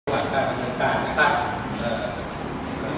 ในตัวละการประการครับ